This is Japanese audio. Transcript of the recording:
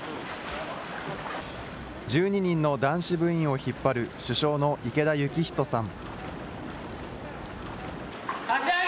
１２人の男子部員を引っ張る、主将の池田幸人さん。